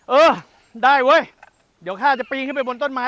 เออได้เว้ยเดี๋ยวข้าจะปีนขึ้นไปบนต้นไม้